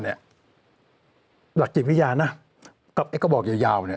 หลักจิตวิญญาณนะกระบอกยาว